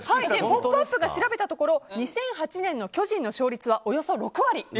「ポップＵＰ！」が調べたところ２００８年の巨人の勝率はおよそ６割。